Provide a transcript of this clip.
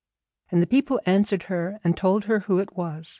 And the people answered her, and told her who it was.